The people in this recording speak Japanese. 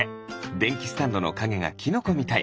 でんきスタンドのかげがキノコみたい。